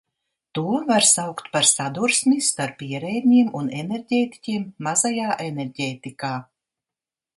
To var saukt par sadursmi starp ierēdņiem un enerģētiķiem mazajā enerģētikā.